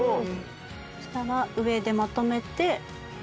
そしたら上でまとめて丸めます。